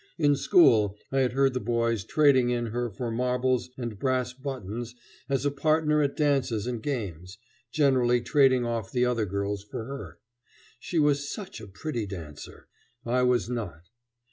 In school I had heard the boys trading in her for marbles and brass buttons as a partner at dances and games generally trading off the other girls for her. She was such a pretty dancer! I was not.